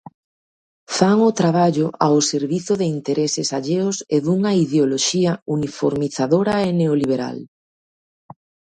Fan o traballo ao servizo de intereses alleos e dunha ideoloxía uniformizadora e neoliberal.